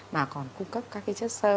mà còn cung cấp các cái chất sơ